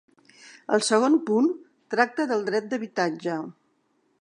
El segon punt tracta del dret d’habitatge.